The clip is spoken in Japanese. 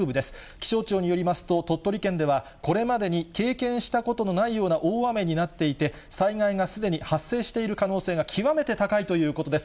気象庁によりますと、鳥取県ではこれまでに経験したことのないような大雨になっていて、災害がすでに発生している可能性が極めて高いということです。